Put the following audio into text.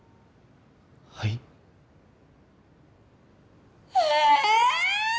はいええ！？